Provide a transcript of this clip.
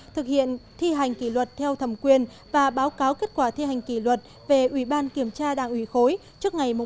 thực hiện thi hành kỷ luật theo thầm quyền và báo cáo kết quả thi hành kỷ luật về ủy ban kiểm tra đảng ủy khối trước ngày bảy tháng chín năm hai nghìn một mươi chín